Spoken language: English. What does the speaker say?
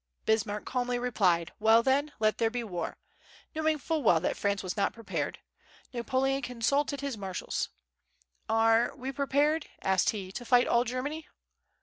Bismarck calmly replied, "Well, then, let there be war," knowing full well that France was not prepared, Napoleon consulted his marshals, "Are we prepared," asked he, "to fight all Germany?"